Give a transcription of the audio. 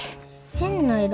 変な色。